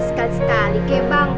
sekali sekali ke bang